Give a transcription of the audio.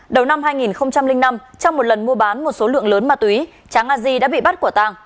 đầu năm hai nghìn năm trong một lần mua bán một số lượng lớn ma túy tráng a di đã bị bắt quả tàng